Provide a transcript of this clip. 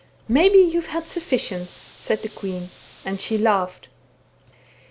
"' Maybe you have had sufficient^' said the queen, and she laughed."